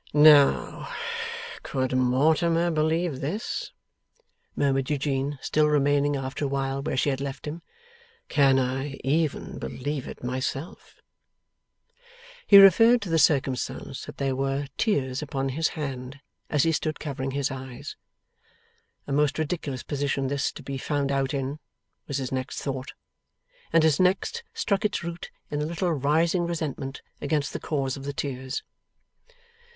'Now, could Mortimer believe this?' murmured Eugene, still remaining, after a while, where she had left him. 'Can I even believe it myself?' He referred to the circumstance that there were tears upon his hand, as he stood covering his eyes. 'A most ridiculous position this, to be found out in!' was his next thought. And his next struck its root in a little rising resentment against the cause of the tears.